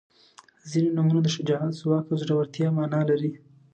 • ځینې نومونه د شجاعت، ځواک او زړورتیا معنا لري.